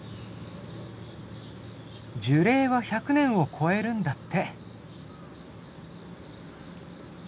樹齢は１００年を超えるんだって。